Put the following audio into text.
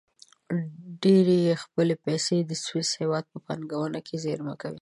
ډېری یې خپلې پیسې د سویس هېواد په بانکونو کې زېرمه کوي.